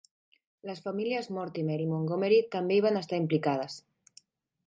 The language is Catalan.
Les famílies Mortimer i Montgomery també hi van estar implicades.